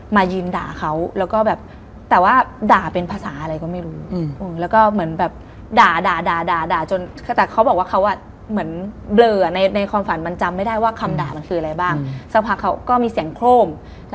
มันไม่เหมือนกับทวดนี้ค่ะ